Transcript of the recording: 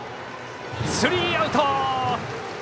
スリーアウト。